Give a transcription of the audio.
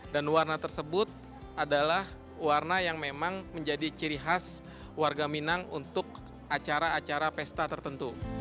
dan warna tersebut adalah warna yang memang menjadi ciri khas warga minang untuk acara acara pesta tertentu